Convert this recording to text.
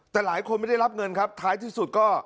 แต่หลายคนไม่ได้รับเงินครับท้ายที่สุดก็